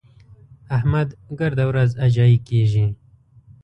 احمد ګرده ورځ اجايي کېږي.